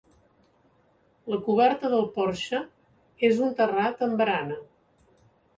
La coberta del porxe és un terrat amb barana.